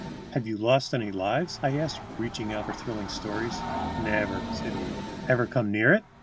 "Have you lost any lives?" I asked, reaching out for thrilling stories. "Nevair," said he. "Ever come near it?"